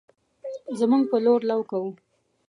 زمونږ په لور لو کوو